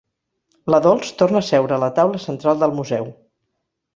La Dols torna a seure a la taula central del museu.